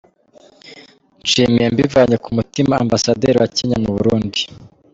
Nshimiye mbivanye ku mutima Ambasaderi wa Kenya mu Burundi.